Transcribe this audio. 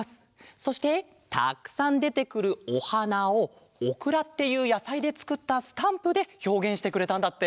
そしてたくさんでてくるおはなをオクラっていうやさいでつくったスタンプでひょうげんしてくれたんだって。